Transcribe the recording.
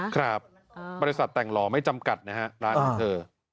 ครับบริษัทแต่งหล่อไม่จำกัดนะฮะร้านของเธอ